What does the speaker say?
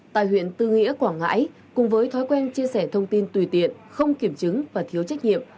tại huyện tư nghĩa quảng ngãi cùng với thói quen chia sẻ thông tin tùy tiện không kiểm chứng và thiếu trách nhiệm